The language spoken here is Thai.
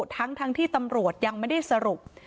ทั้งที่ตำรวจยังไม่ได้สรุป